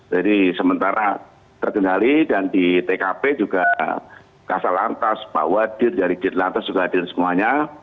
jadi sementara terkendali dan di tkp juga kasar lantas pak wadid dari jid lantas juga hadir semuanya